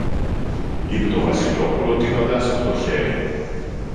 είπε το Βασιλόπουλο τείνοντας του το χέρι.